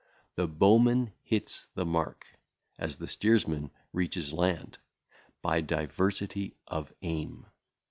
The bowman hitteth the mark, as the steersman reacheth land, by diversity of aim.